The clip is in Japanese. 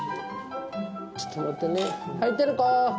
ちょっと待ってねはいてる子。